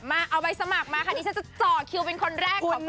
เกือบฝากมาคะนี่ฉันจะจ่อคือเป็นคนแรกของระบบไปสมัคร